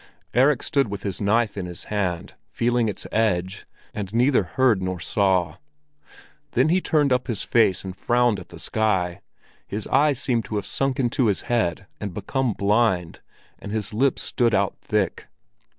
Erik stood with his knife in his hand, feeling its edge, and neither heard nor saw. Then he turned up his face and frowned at the sky; his eyes seemed to have sunk into his head and become blind, and his lips stood out thick.